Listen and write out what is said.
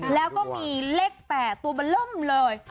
แล้วก็มีเลข๘ตัวบันล่มเลย